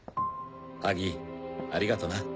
ハギありがとな。